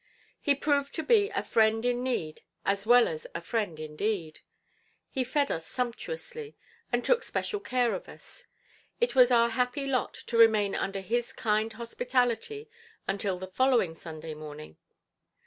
He proved to be "a friend in need as well as a friend indeed." He fed us sumptuously, and took special care of us. It was our happy lot to remain under his kind hospitality until the following Sunday morning.